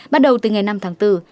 bắt đầu từ ngày năm tháng bốn